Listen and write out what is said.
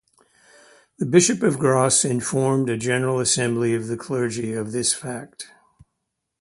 The Bishop of Grasse informed a general assembly of the clergy of this fact.